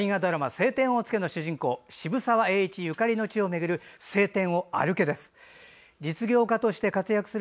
「青天を衝け」の主人公渋沢栄一ゆかりの地を巡る「青天を歩け！」です。